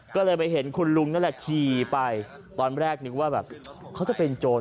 ก็เลยไปเห็นคุณลุงนั่นแหละขี่ไปตอนแรกนึกว่าแบบเขาจะเป็นโจร